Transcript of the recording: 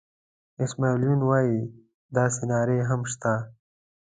اسماعیل یون وایي داسې نارې هم شته.